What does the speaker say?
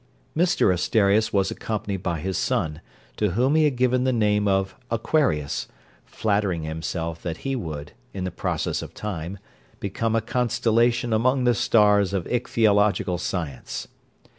Mr Asterias was accompanied by his son, to whom he had given the name of Aquarius flattering himself that he would, in the process of time, become a constellation among the stars of ichthyological science.